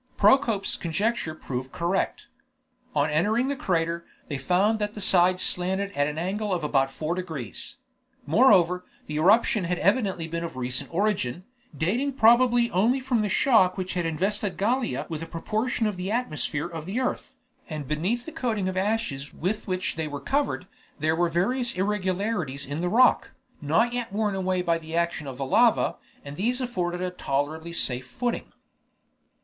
Procope's conjecture proved correct. On entering the crater, they found that the sides slanted at the angle of about 4 degrees; moreover, the eruption had evidently been of recent origin, dating probably only from the shock which had invested Gallia with a proportion of the atmosphere of the earth, and beneath the coating of ashes with which they were covered, there were various irregularities in the rock, not yet worn away by the action of the lava, and these afforded a tolerably safe footing.